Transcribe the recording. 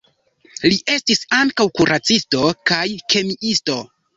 Li estis ankaŭ kuracisto kaj kemiisto.